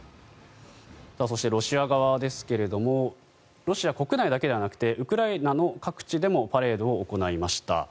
そしてロシア側ですがロシア国内だけでなくてウクライナの各地でもパレードを行いました。